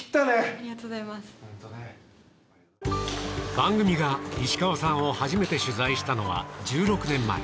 番組が石川さんを初めて取材したのは１６年前。